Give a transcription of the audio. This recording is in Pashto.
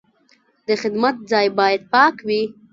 د خدمت ځای باید پاک وي.